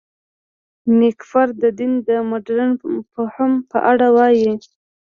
نېکفر د دین د مډرن فهم په اړه وايي.